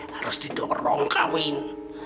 harus didorong kawin